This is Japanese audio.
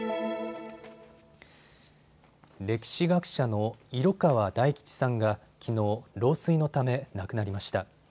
歴史学者の色川大吉さんがきのう、老衰のため亡くなりました。